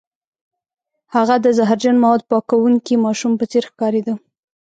هغه د زهرجن موادو پاکوونکي ماشوم په څیر ښکاریده